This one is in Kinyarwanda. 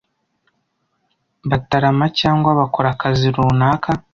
batarama cyangwa bakora akazi runaka